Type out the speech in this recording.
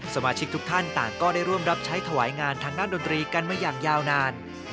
สมาชิกทุกท่านต่างก็ได้ร่วมรับใช้ถวายงานทางด้านดนตรีกันมาอย่างยาวนาน